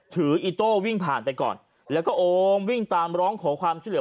อีโต้วิ่งผ่านไปก่อนแล้วก็โอมวิ่งตามร้องขอความช่วยเหลือ